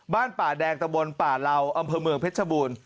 บ้านป่าแดงตะบนป่าเหล่าอำเภอเมืองเพชรบูรณ์